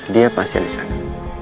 dia pasti ada disana